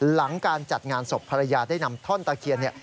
หลังการจัดงานศพภรรยาได้นำท่อนตะเคียน